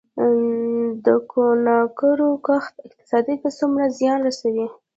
د کوکنارو کښت اقتصاد ته څومره زیان رسوي؟